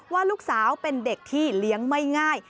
ว่าลูกสาวเป็นเด็กที่เลี้ยงไม่ง่าย